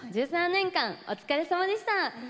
１３年間お疲れさまでした。